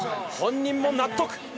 本人も納得。